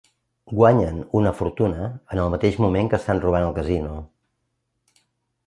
Guanyen una fortuna en el mateix moment que estan robant el casino.